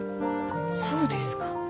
そうですか？